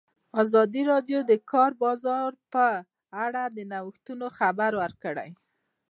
ازادي راډیو د د کار بازار په اړه د نوښتونو خبر ورکړی.